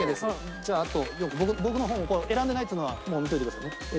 じゃああと僕の方も選んでないっていうのはもう見といてくださいね。